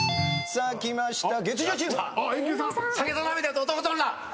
さあきました。